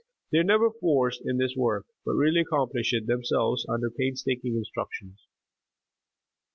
They are never forced in this work, but really accomplish it themselves under painstaking instructions.